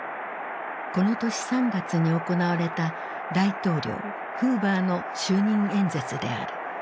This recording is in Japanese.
この年３月に行われた大統領フーバーの就任演説である。